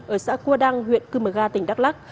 ở xã cua đăng huyện cư mờ ga tỉnh đắk lắc